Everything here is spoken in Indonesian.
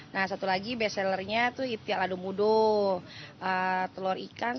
nah satu lagi bestsellernya itu ipti alado mudo telur ikan